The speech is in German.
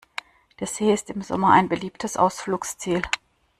Der See ist im Sommer ein beliebtes Ausflugsziel.